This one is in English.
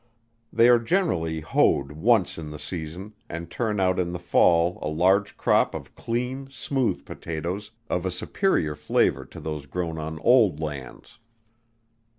They are generally hoed once in the season, and turn out in the fall a large crop of clean, smooth potatoes, of a superior flavour to those grown on old lands.